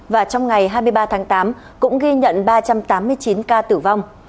và trong ngày hai mươi ba tháng tám cũng ghi nhận ba trăm tám mươi chín ca tử vong